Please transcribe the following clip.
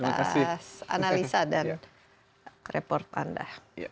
terima kasih atas analisa dan report anda